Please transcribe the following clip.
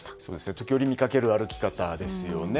時折見かける歩き方ですよね。